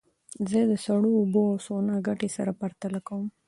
زه د سړو اوبو او سونا ګټې سره پرتله کوم.